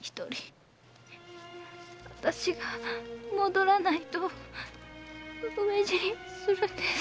あたしが戻らないと飢え死にするんです。